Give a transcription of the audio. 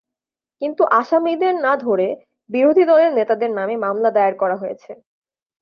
কিন্তু আসামিদের না ধরে বিরোধী দলের নেতাদের নামে মামলা দায়ের করা হয়েছে।